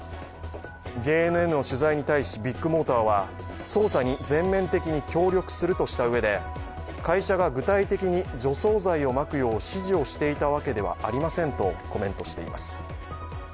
ＪＮＮの取材に対し、ビッグモーターは捜査に全面的に協力するとしたうえで会社が具体的に除草剤をまくよう指示をしていたわけではありませんとコメントしています。